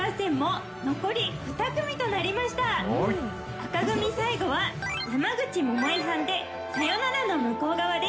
紅組最後は山口百恵さんで『さよならの向う側』です。